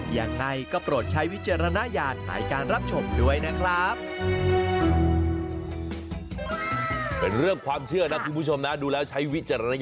ยังไงก็โปรดใช้วิจารณญาณในการรับชมด้วยนะครับ